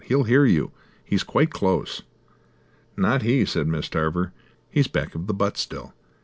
"He'll hear you. He's quite close." "Not he," said Miss Tarver. "He's back of the butt still.